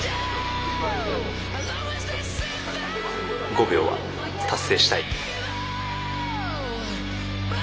５秒は達成したい。